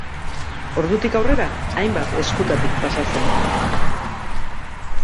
Ordutik aurrera hainbat eskutatik pasa zen.